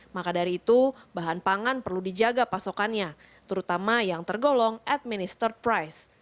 maka dari itu bahan pangan perlu dijaga pasokannya terutama yang tergolong administer price